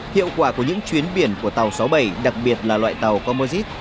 hiệu quả của những chuyến biển của tàu sáu mươi bảy đặc biệt là loại tàu comosite